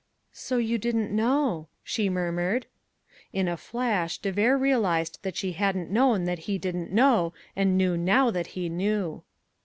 "So you didn't know," she murmured. In a flash de Vere realised that she hadn't known that he didn't know and knew now that he knew.